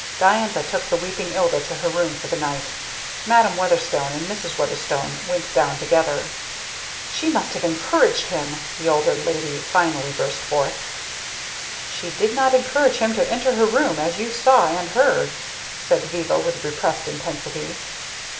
Diantha took the weeping Ilda to her room for the night. Madam Weatherstone and Mrs. Weatherstone went down together. "She must have encouraged him!" the older lady finally burst forth. "She did not encourage him to enter her room, as you saw and heard," said Viva with repressed intensity.